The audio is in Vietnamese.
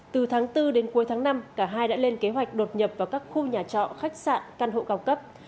từ tháng bốn đến cuối tháng năm cả hai đã lên kế hoạch đột nhập vào các khu nhà trọ khách sạn căn hộ cao cấp